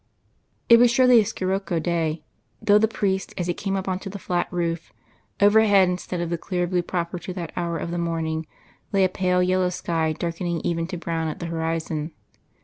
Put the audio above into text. It was surely a scirocco day, thought the priest, as he came up on to the flat roof. Overhead, instead of the clear blue proper to that hour of the morning, lay a pale yellow sky darkening even to brown at the horizon.